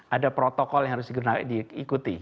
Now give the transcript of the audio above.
ada protokol yang harus diikuti